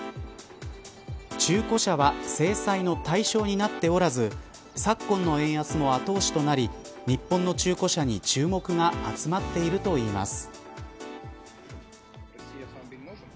中古車は制裁の対象になっておらず昨今の円安も後押しとなり日本の中古車に注目が集まっているといいます。